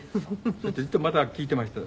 そしてじっとまた聞いてました